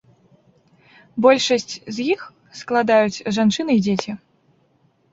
Большасць з іх складаюць жанчыны і дзеці.